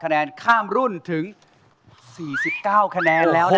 คะแนนข้ามรุ่นถึง๔๙คะแนนแล้ว